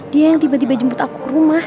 dia yang tiba tiba jemput aku ke rumah